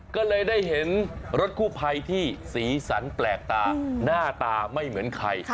ก็เลยได้เห็นรถกู้ภัยที่สีสันแปลกตาหน้าตาไม่เหมือนใคร